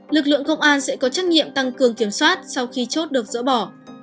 lực lượng công an sẽ có trách nhiệm tăng cường kiểm soát sau khi chốt được dỡ bỏ